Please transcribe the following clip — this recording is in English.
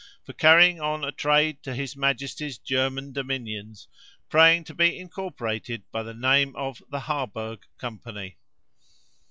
for carrying on a trade to his majesty's German dominions, praying to be incorporated by the name of the Harburg Company.